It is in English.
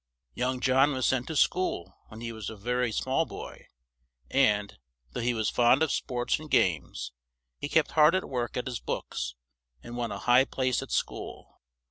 Young John was sent to school when he was a ver y small boy; and, though he was fond of sports and games, he kept hard at work at his books and won a high place at school.